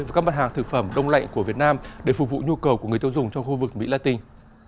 và các mặt hàng thực phẩm đông lạnh của việt nam để phục vụ nhu cầu của người tiêu dùng trong khu vực mỹ la tinh